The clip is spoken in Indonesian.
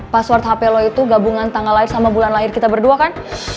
password hapelo itu gabungan tanggal lahir sama bulan lahir kita berdua kan